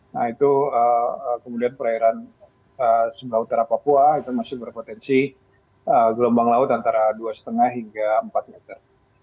nah itu kemudian perairan sebelah utara papua itu masih berpotensi gelombang laut antara dua lima hingga empat meter